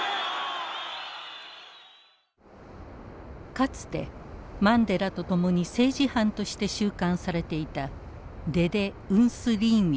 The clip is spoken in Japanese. かつてマンデラと共に政治犯として収監されていたデデ・ウンスィリンウィ。